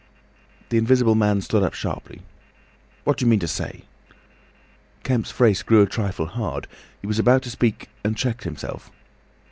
The Invisible Man stood up sharply. "What do you mean to say?" Kemp's face grew a trifle hard. He was about to speak and checked himself.